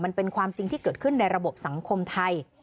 มันเป็นความจริงที่เกิดขึ้นในระบบสังคมไทย